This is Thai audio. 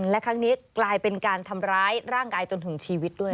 และครั้งนี้กลายเป็นการทำร้ายร่างกายจนถึงชีวิตด้วย